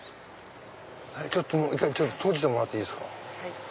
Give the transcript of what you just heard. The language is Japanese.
ちょっと一回閉じてもらっていいですか。